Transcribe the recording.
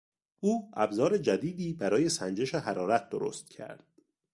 او ابزار جدیدی برای سنجش حرارت درست کرد.